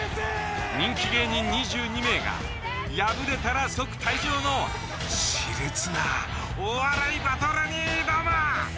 人気芸人２２名が敗れたら即退場のし烈なお笑いバトルに挑む。